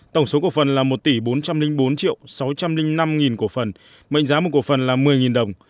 tổng số cổ phần là một tỷ bốn trăm linh bốn sáu trăm linh năm cổ phần mệnh giá một cổ phần là một mươi đồng